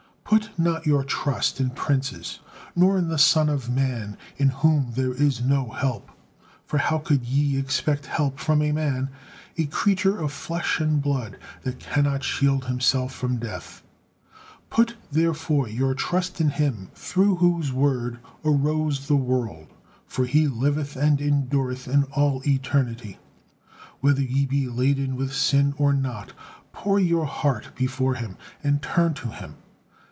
'Put not your trust in princes, nor in the son of man, in whom there is no help,' for how could ye expect help from a man, a creature of flesh and blood, that cannot shield himself from death? Put, therefore, your trust in Him through whose word arose the world, for He liveth and endureth in all eternity. Whether ye be laden with sin, or not, 'pour your heart before Him,' and turn to Him."